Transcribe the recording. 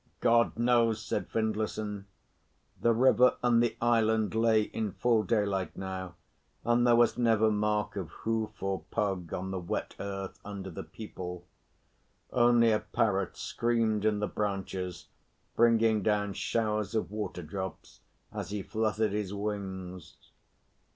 "God knows!" said Findlayson. The river and the island lay in full daylight now, and there was never mark of hoof or pug on the wet earth under the peepul. Only a parrot screamed in the branches, bringing down showers of water drops as he fluttered his wings.